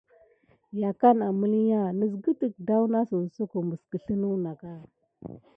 Yakaku məlinya nisgue danasine soko dida mis guelna ne.